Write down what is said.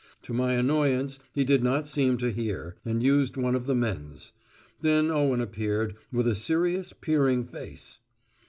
To my annoyance he did not seem to hear, and used one of the men's. Then Owen appeared, with a serious peering face.